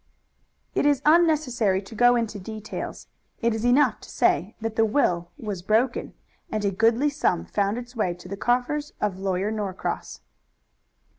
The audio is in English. It is unnecessary to go into details. It is enough to say that the will was broken, and a goodly sum found its way to the coffers of Lawyer Norcross.